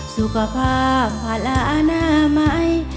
สุขภาพภาระอนามัย